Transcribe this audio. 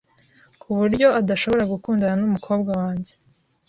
ku buryo adashobora gukundana n'umukobwa wanjye .